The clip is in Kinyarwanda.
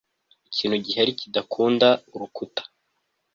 ikintu gihari kidakunda urukuta